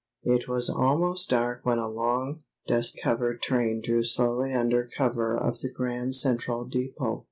It was almost dark when a long, dust covered train drew slowly under cover of the Grand Central Depot.